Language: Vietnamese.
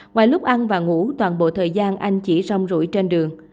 ngoài lúc ăn và ngủ toàn bộ thời gian anh chỉ rong rủi trên đường